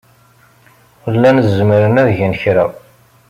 Llan zemren ad gen kra.